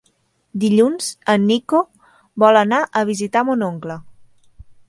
Dilluns en Nico vol anar a visitar mon oncle.